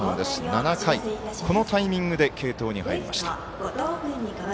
７回、このタイミングで継投に入りました。